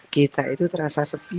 kita itu terasa sepi